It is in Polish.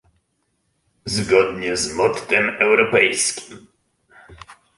Zgodnie z mottem europejskim